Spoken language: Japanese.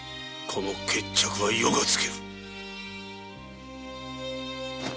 この決着は余がつける。